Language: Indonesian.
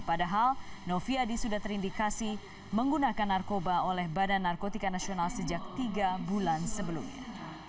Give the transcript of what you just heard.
padahal noviadimawardi sudah terindikasi menggunakan narkoba oleh bnn sejak tiga bulan sebelumnya